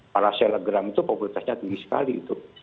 para selegram itu populitasnya tinggi sekali